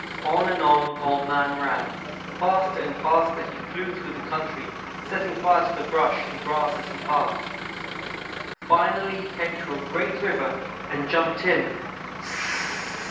On and on Old man ran. Faster and faster he flew through the country, setting fire to the brush and grass as he passed. Finally he came to a great river, and jumped in.